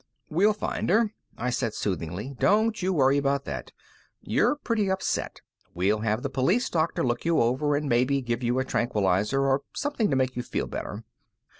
"We'll find her," I said soothingly, "don't you worry about that. You're pretty upset. We'll have the police doctor look you over and maybe give you a tranquilizer or something to make you feel better."